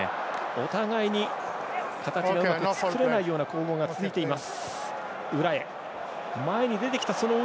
お互いに形がうまく作れないような攻防が続いています。